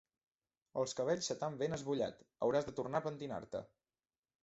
Els cabells se t'han ben esbullat: hauràs de tornar a pentinar-te.